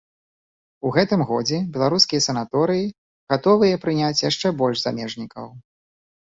У гэтым годзе беларускія санаторыі гатовыя прыняць яшчэ больш замежнікаў.